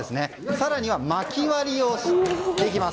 更には、まき割りもできます。